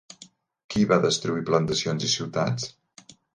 Qui va destruir plantacions i ciutats?